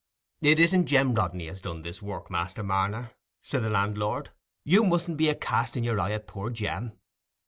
"It isn't Jem Rodney as has done this work, Master Marner," said the landlord. "You mustn't be a casting your eye at poor Jem.